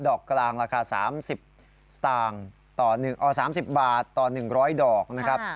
ดอกกลางราคา๓๐บาทต่อ๑๐๐ดอกนะครับ